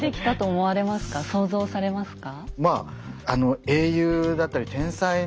想像されますか？